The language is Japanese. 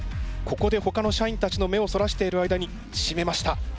ここでほかの社員たちの目をそらしている間にしめました。